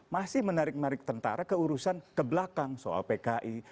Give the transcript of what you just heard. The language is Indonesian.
masih menarik marik tentara ke urusan ke belakang soal pki